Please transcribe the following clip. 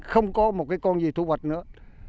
không có một con gì thú vật nữa